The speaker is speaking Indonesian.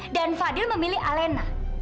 dan fadil memilih alena